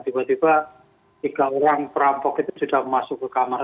tiba tiba tiga orang perampok itu sudah masuk ke kamar